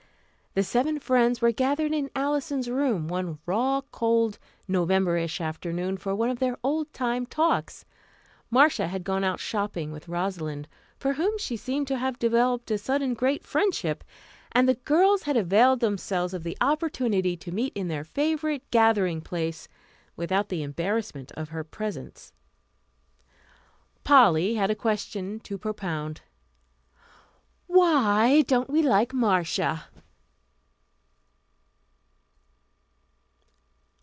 The seven friends were gathered in Alison's room, one raw, cold "Novemberish" afternoon for one of their old time talks. Marcia had gone out shopping with Rosalind, for whom she seemed to have developed a sudden great friendship, and the girls had availed themselves of the opportunity to meet in their favorite gathering place without the embarrassment of her presence. Polly had a question to propound. "Why don't we like Marcia?"